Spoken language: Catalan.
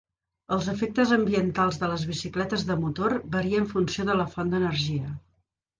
Els efectes ambientals de les bicicletes de motor varia en funció de la font d'energia.